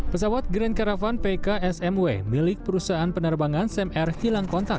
pesawat grand caravan pksmw milik perusahaan penerbangan sam air hilang kontak